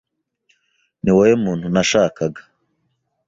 Niwowe muntu nashakaga.